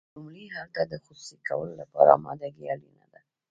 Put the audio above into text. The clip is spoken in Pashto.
لومړی هلته د خصوصي کولو لپاره امادګي اړینه ده.